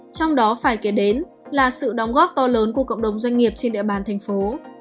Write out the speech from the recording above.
trong đó phải kể đến là sự đóng góp to lớn của cộng đồng doanh nghiệp trên địa bàn thành phố